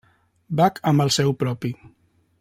Bach amb el seu propi.